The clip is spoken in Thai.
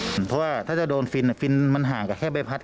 เพราะว่าถ้าจะโดนฟินฟินมันห่างกับแค่ใบพัด